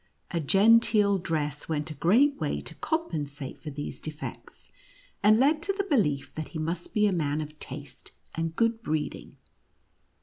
A genteel dress went a great way to compensate for these defects, and led to the belief that he must be a man of taste and good breeding.